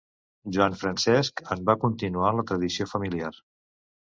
Joan Francesc en va continuar la tradició familiar.